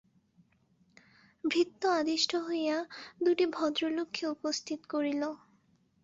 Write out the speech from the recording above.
ভৃত্য আদিষ্ট হইয়া দুটি ভদ্রলোককে উপস্থিত করিল।